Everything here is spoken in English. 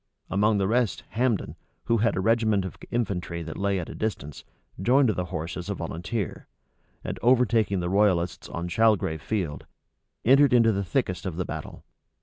Among the rest Hambden, who had a regiment of infantry that lay at a distance, joined the horse as a volunteer; and overtaking the royalists on Chalgrave field, entered into the thickest of the battle.